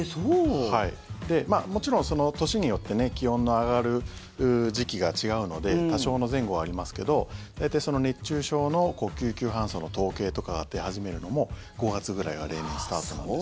もちろん、その年によって気温の上がる時期が違うので多少の前後はありますけど大体、その熱中症の救急搬送の統計とかが出始めるのも５月くらいが例年スタートなんです。